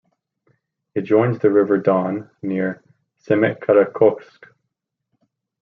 It joins the river Don near Semikarakorsk.